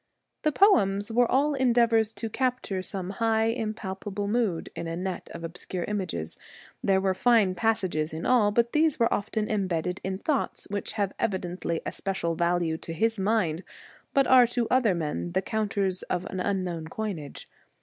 The poems were all endeavours to capture some high, impalpable mood in a net of obscure images. There were fine passages in all, but these were often em bedded in thoughts which have evidently a special value to his mind, but are to other men the counters of an unknown coinage.